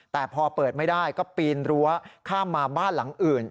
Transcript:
แต่พอเปิดไม่ได้ก็ปีนรั้วข้ามมาบ้านหลังอื่น